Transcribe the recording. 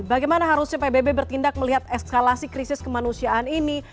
bagaimana harusnya pbb bertindak melihat eskalasi krisis kemanusiaan ini